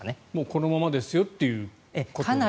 このままですよということですよね。